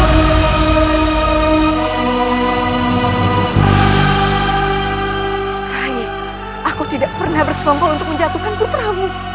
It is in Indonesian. raih aku tidak pernah bersombol untuk menjatuhkan putramu